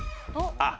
あっ！